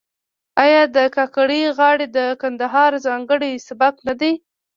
آیا د کاکړۍ غاړې د کندهار ځانګړی سبک نه دی؟